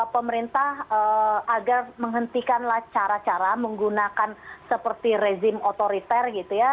pemerintah agar menghentikanlah cara cara menggunakan seperti rezim otoriter gitu ya